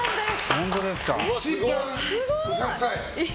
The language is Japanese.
本当ですか？